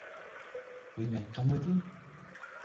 We may come with you?